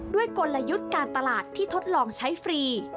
กลยุทธ์การตลาดที่ทดลองใช้ฟรี